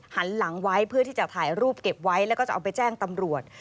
หันหลังไว้เพื่อที่จะถ่ายรูปเก็บไว้แล้วก็จะเอาไปแจ้งตำรวจ